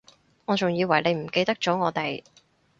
我仲以為你唔記得咗我哋